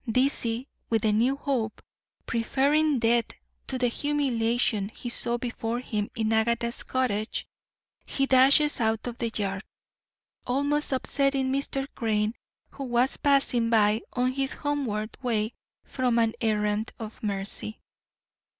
Dizzy with the new hope, preferring death to the humiliation he saw before him in Agatha's cottage, he dashes out of the yard, almost upsetting Mr. Crane, who was passing by on his homeward way from an errand of mercy.